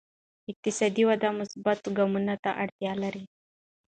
اقتصادي وده مثبتو ګامونو ته اړتیا لري.